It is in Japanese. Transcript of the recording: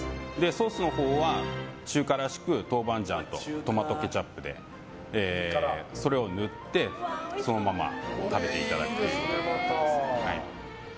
ソースのほうは中華らしく豆板醤とトマトケチャップでそれを塗ってそのままかけていただくという。